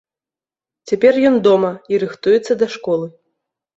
Цяпер ён дома і рыхтуецца да школы.